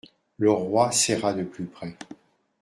Le roi serra de plus près.